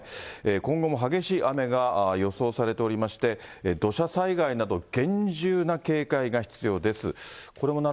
今後も激しい雨が予想されておりまして、土砂災害など厳重な警戒が必要です。